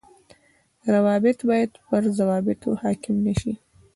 روابط باید پر ضوابطو حاڪم نشي